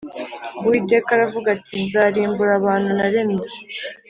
Uwiteka aravuga ati Nzarimbura abantu naremye